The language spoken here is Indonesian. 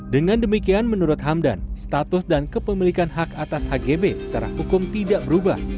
dengan demikian menurut hamdan status dan kepemilikan hak atas hgb secara hukum tidak berubah